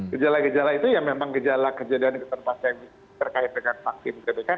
gejala gejala itu ya memang gejala kejadian di tempat yang terkait dengan vaksin gbk